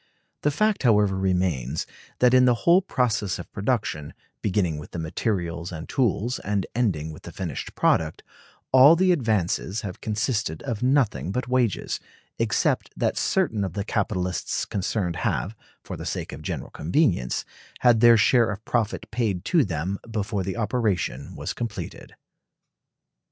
The fact, however, remains, that in the whole process of production, beginning with the materials and tools and ending with the finished product, all the advances have consisted of nothing but wages, except that certain of the capitalists concerned have, for the sake of general convenience, had their share of profit paid to them before the operation was completed.